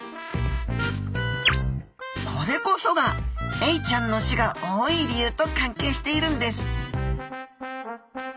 これこそがエイちゃんの種が多い理由と関係しているんです！